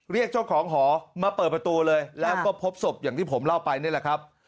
เรียกเจ้าของหอมาเปิดประตูเลยแล้วก็พบศพอย่างที่ผมเล่าไปนี่แหละครับ